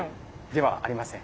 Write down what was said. ではありません。